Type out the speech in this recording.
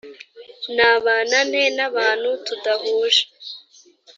nabana nte n abantu tudahuje